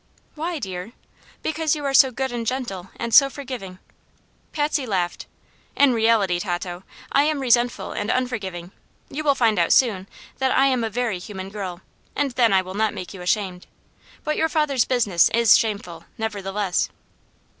"Why, dear?" "Because you are so good and gentle, and so forgiving." Patsy laughed. "In reality, Tato, I am resentful and unforgiving. You will find out, soon, that I am a very human girl, and then I will not make you ashamed. But your father's business is shameful, nevertheless."